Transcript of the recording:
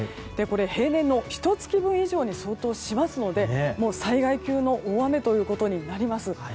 平年のひと月分以上に相当しますので災害級の大雨となります。